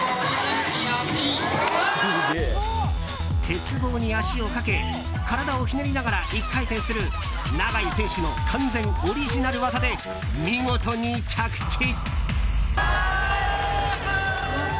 鉄棒に足をかけ体をひねりながら１回転する永井選手の完全オリジナル技で見事に着地。